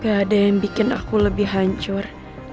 gak ada yang bikin aku lebih hancur